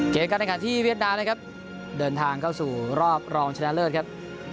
การแข่งขันที่เวียดนามนะครับเดินทางเข้าสู่รอบรองชนะเลิศครับ